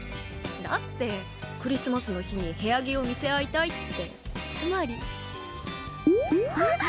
だってクリスマスの日に部屋着を見せ合いたいってつまり。